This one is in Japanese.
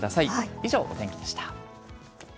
以上、お天気でした。